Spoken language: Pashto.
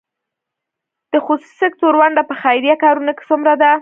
د خصوصي سکتور ونډه په خیریه کارونو کې څومره ده؟